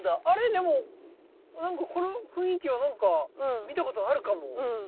でもこの雰囲気はなんか見たことあるかも。